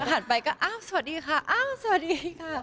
ผ่านไปก็อ้าวสวัสดีค่ะอ้าวสวัสดีค่ะ